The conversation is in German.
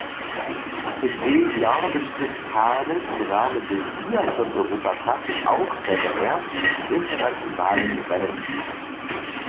In dem Jahr bestritt Kane im Rahmen des Biathlon-Europacups auch seine ersten internationalen Rennen.